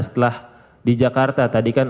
setelah di jakarta tadi kan